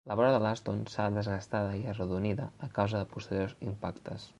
La vora de l'Aston s'ha desgastada i arredonida a causa de posteriors impactes.